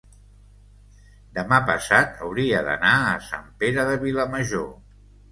demà passat hauria d'anar a Sant Pere de Vilamajor.